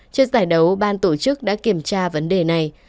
trước giải đấu ban tổ chức đã kiểm tra vấn đề này